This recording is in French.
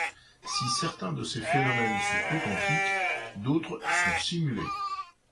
Si certains de ces phénomènes sont authentiques, d'autres sont simulés.